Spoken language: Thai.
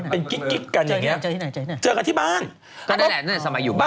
เป็นคนใจใหญ่นะ